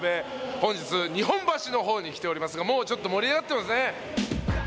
本日日本橋の方に来ておりますがもうちょっと盛り上がってますね。